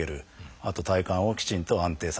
あと体幹をきちんと安定させる。